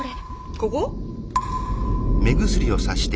ここ？